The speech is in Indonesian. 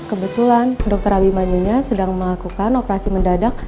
kebetulan dokter abimanyunya sedang melakukan operasi mendadak